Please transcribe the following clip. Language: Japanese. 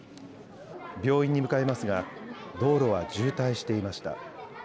病院に向かいますが、道路は渋滞していました。